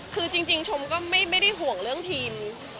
คือจริงชมก็ไม่ได้ห่วงเรื่องทีม